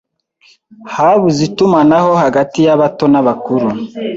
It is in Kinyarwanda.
Habuze itumanaho hagati yabato n'abakuru.